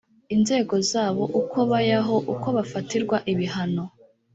inzego zabo uko bay aho uko bafatirwa ibihano